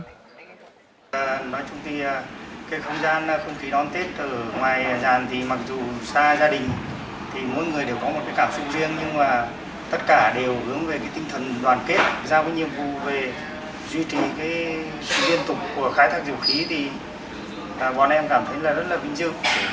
thì mỗi người đều có một cái cảm xúc riêng nhưng mà tất cả đều hướng về cái tinh thần đoàn kết ra với nhiệm vụ về duy trì cái biên tục của khái thác dầu khí thì bọn em cảm thấy là rất là bình dương